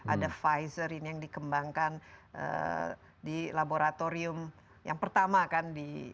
ada pfizer ini yang dikembangkan di laboratorium yang pertama kan